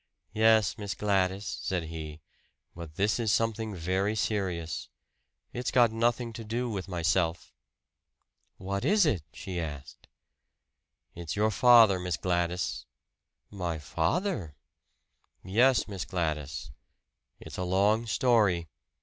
"Yes, Miss Gladys," said he. "But this is something very serious. It's got nothing to do with myself." "What is it?" she asked. "It's your father, Miss Gladys." "My father?" "Yes, Miss Gladys. It's a long story.